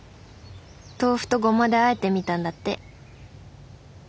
豆腐とゴマであえてみたんだって。